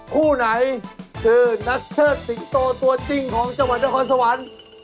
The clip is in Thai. คู่ไหนคือนักเชิดสิงโตตัวจริงของจังหวัดนครสวรรค์